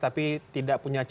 tapi tidak punya c enam